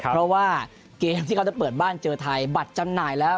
เพราะว่าเกมที่เขาจะเปิดบ้านเจอไทยบัตรจำหน่ายแล้ว